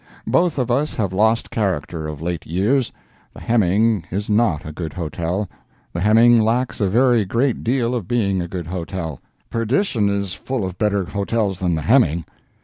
Both of us have lost character of late years. The Heming is not a good hotel. The Heming lacks a very great deal of being a good hotel. Perdition is full of better hotels than the Heming.